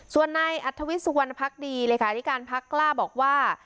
ส่วนในอัธวิชสุวรรณภักดีรายการิการภักด์กล้าบอกว่า